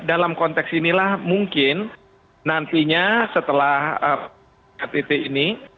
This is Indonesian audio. nah dalam konteks inilah mungkin nantinya setelah rtt ini